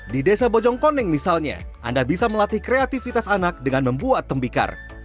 di desa bojongkoneng misalnya anda bisa melatih kreativitas anak dengan membuat tembikar